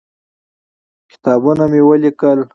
کتابونه مې ولیکل.